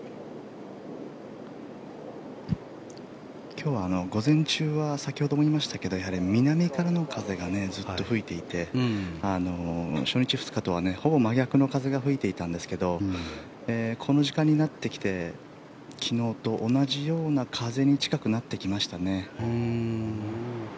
今日は午前中は先ほども言いましたがやはり南からの風がずっと吹いていて初日、２日とはほぼ真逆の風が吹いていたんですがこの時間になってきて昨日と同じような風に近くなってきましたね。